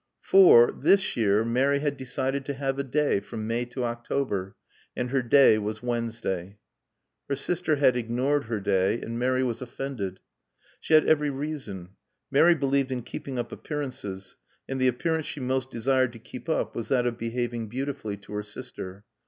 For, this year, Mary had decided to have a day, from May to October. And her day was Wednesday. Her sister had ignored her day, and Mary was offended. She had every reason. Mary believed in keeping up appearances, and the appearance she most desired to keep up was that of behaving beautifully to her sister.